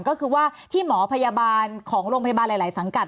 ก็คือว่าที่หมอพยาบาลของโรงพยาบาลหลายสังกัด